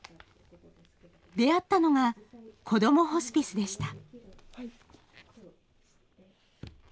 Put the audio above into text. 出会ったのが、こどもホスピスでした。